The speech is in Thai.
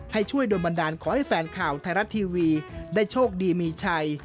ให้ช่วยโดนบันดาลขอให้แฟนข่าวไทยรัฐทีวีได้โชคดีมีชัย